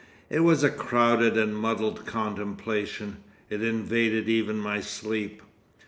It was a crowded and muddled contemplation. It invaded even my sleep.